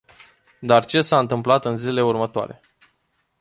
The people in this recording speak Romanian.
Dar ce s-a întâmplat în zilele următoare?